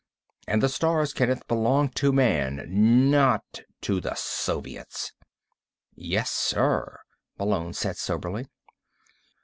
And the stars, Kenneth, belong to Man not to the Soviets!" "Yes, sir," Malone said soberly.